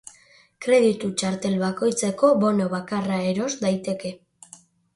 Kreditu txartel bakoitzeko bono bakarra eros daiteke.